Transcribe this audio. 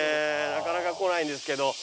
なかなか来ないんですけど。